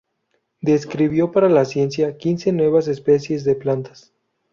Describió, para la ciencia, quince nuevas especies de plantas.